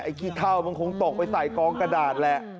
ขี้เท่ามันคงตกไปใส่กองกระดาษแหละ